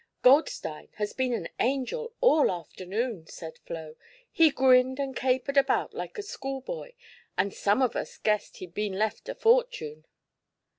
"Goldstein has been an angel all afternoon," said Flo. "He grinned and capered about like a schoolboy and some of us guessed he'd been left a fortune."